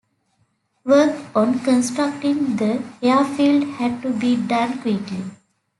Work on constructing the airfield had to be done quickly.